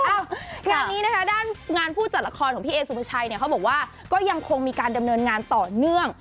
งานนี้นะคะด้านงานผู้จัดละครของพี่เอสุภาชัยเนี่ยเขาบอกว่าก็ยังคงมีการดำเนินงานต่อเนื่อง